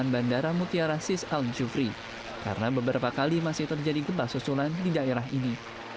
bandara mutiara sis al jufri karena beberapa kali masih terjadi gempa susulan di daerah ini